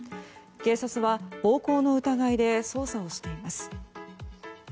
警察は暴行の疑いで捜査をしています。